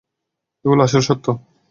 এগুলো আসল সত্য।